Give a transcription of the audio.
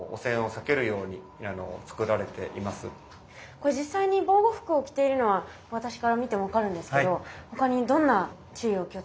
これ実際に防護服を着ているのは私から見ても分かるんですけど他にどんな注意を気をつけてるんですか？